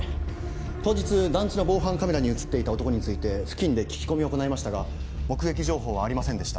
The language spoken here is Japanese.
当日団地の防犯カメラに写っていた男について付近で聞き込みを行いましたが目撃情報はありませんでした。